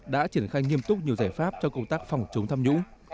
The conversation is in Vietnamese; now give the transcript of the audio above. đã triển khai nghiêm túc nhiều giải pháp cho công tác phòng chống tham nhũng